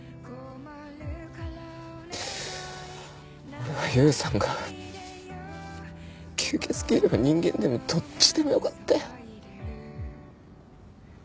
俺はよよさんが吸血鬼でも人間でもどっちでもよかったよ。